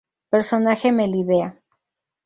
Personaje Melibea.